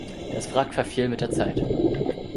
Das Wrack verfiel mit der Zeit.